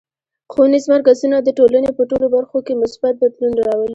ښوونیز مرکزونه د ټولنې په ټولو برخو کې مثبت بدلون راولي.